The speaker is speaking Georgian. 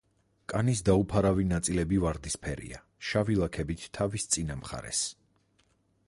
კანის დაუფარავი ნაწილები ვარდისფერია, შავი ლაქებით თავის წინა მხარეს.